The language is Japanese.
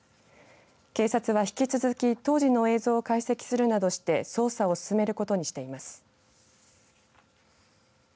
警察は引き続き当時の映像を解析するなどして捜査を進めることにしています。